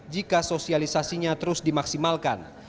jika sosialisasinya terus dimaksimalkan